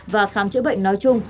và khám chữa bệnh nói chung